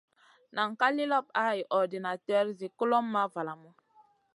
Nan ka li lop hay ordinater zi kulomʼma valamu.